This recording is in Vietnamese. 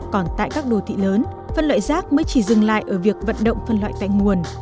còn tại các đô thị lớn phân loại rác mới chỉ dừng lại ở việc vận động phân loại tại nguồn